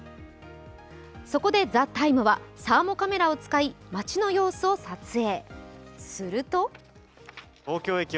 そこで「ＴＨＥＴＩＭＥ，」はサーモカメラを使い街の様子を撮影。